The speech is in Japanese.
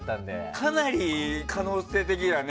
かなり可能性的にはね。